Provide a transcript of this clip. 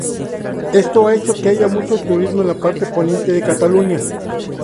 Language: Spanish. Esto ha hecho que haya mucho turismo en la parte Poniente de Cataluña.